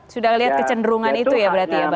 sudah lihat kecenderungan itu ya berarti bang herman